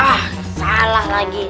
ah salah lagi